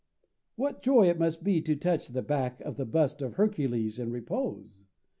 "What joy it must be to touch the back of the bust of Hercules in repose!